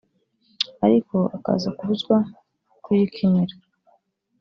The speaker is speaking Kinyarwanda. ariko akaza kubuzwa kuyikinira